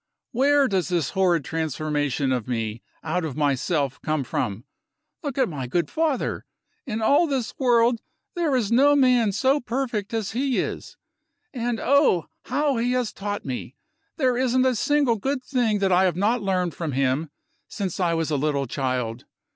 Where does this horrid transformation of me out of myself come from? Look at my good father. In all this world there is no man so perfect as he is. And oh, how he has taught me! there isn't a single good thing that I have not learned from him since I was a little child.